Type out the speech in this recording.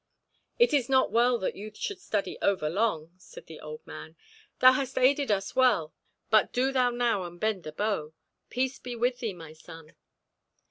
"It is not well that youth should study over long," said the old man. "Thou hast aided us well, but do thou now unbend the bow. Peace be with thee, my son."